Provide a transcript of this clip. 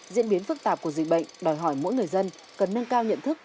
diễn biến phức tạp của dịch bệnh đòi hỏi mỗi người dân cần nâng cao nhận thức